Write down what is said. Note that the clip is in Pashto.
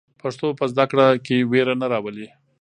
پښتو په زده کړه کې وېره نه راولي.